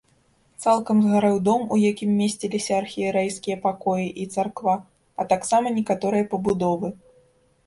Цалкам згарэў дом, у якім месціліся архірэйскія пакоі і царква, а таксама некаторыя пабудовы.